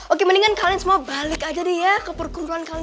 oke mendingan balik aja ya ke perguruan